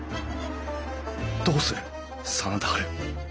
どうする真田ハル！